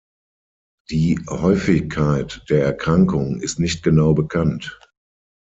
Die Häufigkeit der Erkrankung ist nicht genau bekannt.